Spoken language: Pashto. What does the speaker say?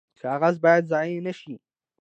کاغذ باید ضایع نشي